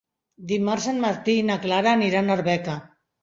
Dimarts en Martí i na Clara aniran a Arbeca.